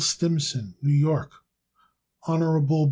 Stimson, New York. Hon.